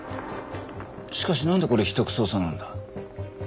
しかしなんでこれ秘匿捜査なんだ？